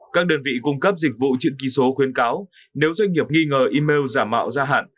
các đơn vị cung cấp dịch vụ chữ ký số khuyến cáo nếu doanh nghiệp nghi ngờ email giả mạo ra hạn